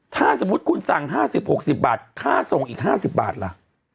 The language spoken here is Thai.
ถ้าสมมุติคุณสั่ง๕๐๖๐บาทค่าส่งอีก๕๐บาทล่ะ